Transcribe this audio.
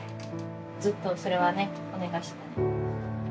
ずっとそれはねお願いしてたね。